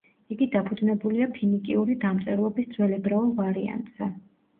იგი დაფუძნებულია ფინიკიური დამწერლობის ძველ ებრაულ ვარიანტზე.